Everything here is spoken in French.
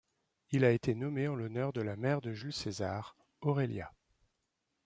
Il a été nommé en l'honneur de la mère de Jules César, Aurelia.